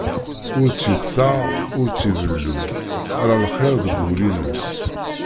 Ur tt-yettaɣ, ur tt-ibellu, ala lxir deg wul-ines.